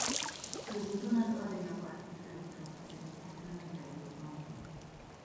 Közúton az Adria parti főútról közelíthető meg legjobban.